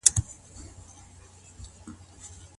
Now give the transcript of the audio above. په اتڼ کي قدمونه نه ګډوډیږي.